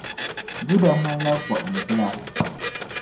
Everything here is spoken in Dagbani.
Juda ŋmanila gbuɣimbila.